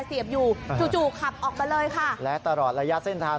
อันดับสุดท้ายก็คืออันดับสุดท้าย